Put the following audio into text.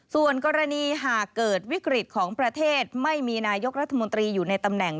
ส่วนกรณีหากเกิดวิกฤตของประเทศไม่มีนายกรัฐมนตรีอยู่ในตำแหน่ง